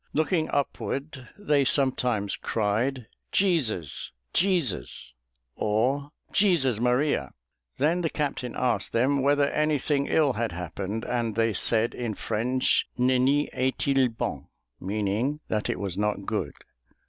Looking upward they sometimes cried, "Jesus, Jesus," or "Jesus Maria." Then the captain asked them whether anything ill had happened, and they said in French, "Nenni est il bon," meaning that it was not good.